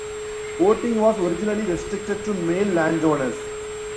Voting was originally restricted to male landowners.